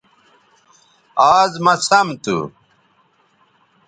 آز مہ سم تھو